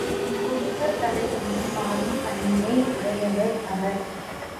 குடும்பத் தலைவனைப் பாடும் பணியை உடையவர் அவர்.